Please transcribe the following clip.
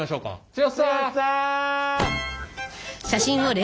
剛さん。